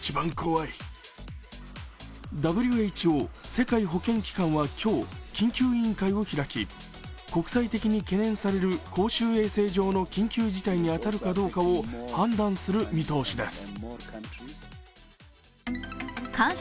ＷＨＯ＝世界保健機関は今日緊急委員会を開き国際的に懸念される公衆衛生上の緊急事態に当たるかどうかを判断する見通しです。